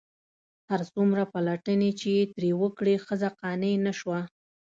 هر څومره پلټنې چې یې ترې وکړې ښځه قانع نه شوه.